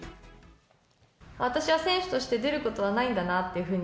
私は選手として出ることはないんだなっていうふうに。